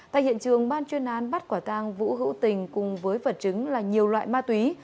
tại hiện trường ban chuyên án bắt quả tang vũ hữu tình cùng với vật chứng là nhiều loại ma túy